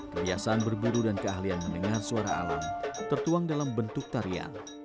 kebiasaan berburu dan keahlian mendengar suara alam tertuang dalam bentuk tarian